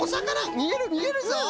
みえるみえるぞ。